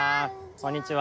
こんにちは。